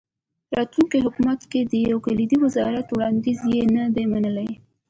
راتلونکي حکومت کې د یو کلیدي وزارت وړاندیز یې نه دی منلی.